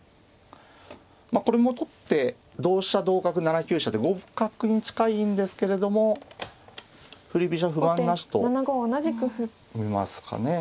まあこれも取って同飛車同角７九飛車で互角に近いんですけれども振り飛車不満なしと見ますかね。